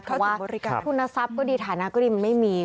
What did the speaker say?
เพราะว่าทุนทรัพย์ก็ดีฐานะก็ดีมันไม่มี